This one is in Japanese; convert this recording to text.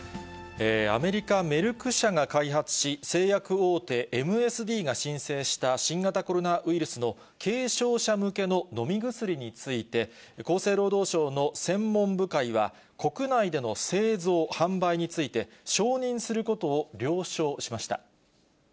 アメリカ、メルク社が開発し、製薬大手、ＭＳＤが申請した新型コロナウイルスの軽症者向けの飲み薬について、厚生労働省の専門部会は、国内での製造・販売について、承認することを了承しました。